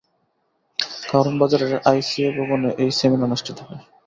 কারওয়ান বাজারের আইসিএবি ভবনে এই সেমিনার অনুষ্ঠিত হয়।